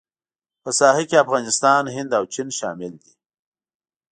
په ساحه کې افغانستان، هند او چین شامل دي.